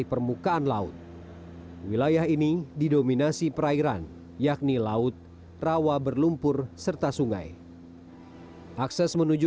permukaan laut wilayah ini didominasi perairan yakni laut rawa berlumpur serta sungai akses menuju